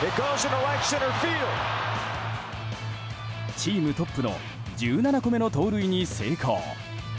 チームトップの１７個目の盗塁に成功。